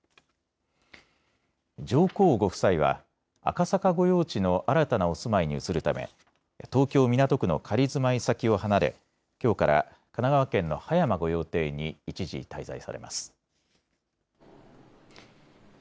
上皇ご夫妻は赤坂御用地の新たなお住まいに移るため東京港区の仮住まい先を離れきょうから神奈川県の葉山御用邸に一時、滞在されます。